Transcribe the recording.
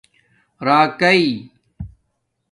راکائ